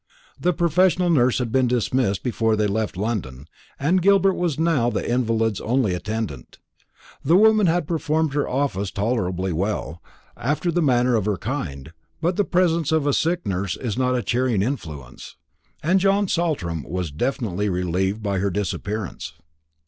The professional nurse had been dismissed before they left London, and Gilbert was now the invalid's only attendant. The woman had performed her office tolerably well, after the manner of her kind; but the presence of a sick nurse is not a cheering influence, and John Saltram was infinitely relieved by her disappearance.